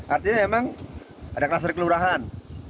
artinya memang ada kluster kelurahan